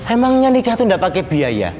emangnya nikah itu tidak pakai biaya